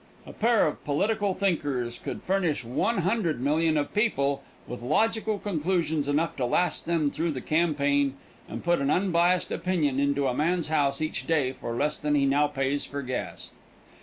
A pair of political thinkers could furnish 100,000,000 of people with logical conclusions enough to last them through the campaign and put an unbiased opinion into a man's house each day for less than he now pays for gas.